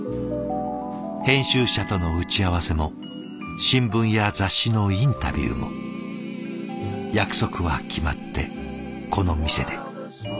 編集者との打ち合わせも新聞や雑誌のインタビューも約束は決まってこの店で。